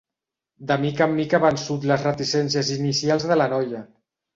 De mica en mica ha vençut les reticències inicials de la noia.